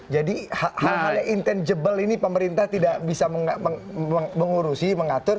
jadi hal hal yang intangible ini pemerintah tidak bisa mengurusi mengatur